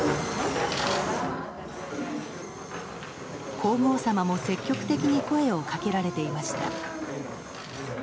皇后さまも積極的に声をかけられていました。